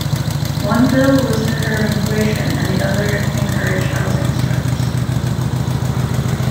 One bill was to curb inflation and the other encourage housing starts.